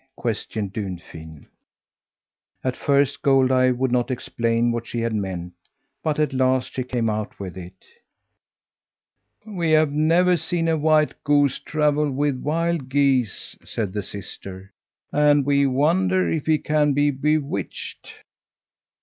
questioned Dunfin. At first Goldeye would not explain what she had meant, but at last she came out with it. "We have never seen a white goose travel with wild geese," said the sister, "and we wonder if he can be bewitched."